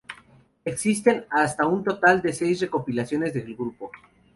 Existen hasta un total de seis recopilaciones del grupo.